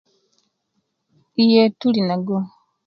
Iye tulinago